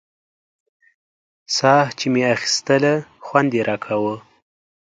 ساه چې مې اخيستله خوند يې راکاوه.